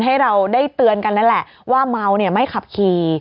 ให้เราได้เตือนกันนั่นแหละว่าเมาเนี่ยไม่ขับขี่